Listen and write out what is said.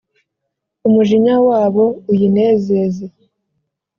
Umujinya wabo uyinezeze.”